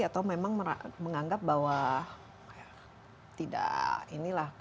atau memang menganggap bahwa tidak inilah